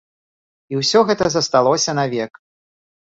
І ўсё гэта засталося навек.